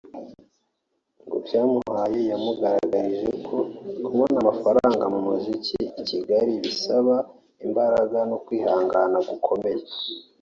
ngo byamuhaye yamugaragarije ko kubona amafaranga mu muziki i Kigali bisaba imbaraga no kwihangana gukomeye